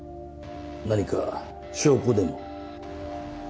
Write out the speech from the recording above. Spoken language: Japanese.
何か証拠でも？